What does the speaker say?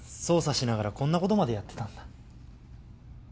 捜査しながらこんなことまでやってたんだ